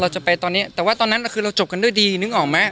จะไปตอนนี้แต่ว่าตอนนั้นคือเราจบกันด้วยดีนึกออกไหม